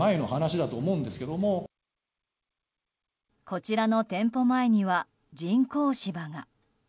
こちらの店舗前には人工芝が。